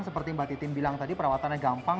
seperti mbak titim bilang tadi perawatannya gampang